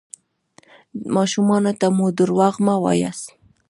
ماشومانو ته مو درواغ مه وایاست.